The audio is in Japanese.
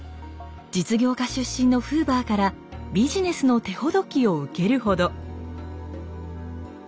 実業家出身のフーバーからビジネスの手ほどきを受けるほど。